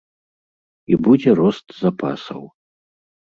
І будзе рост запасаў.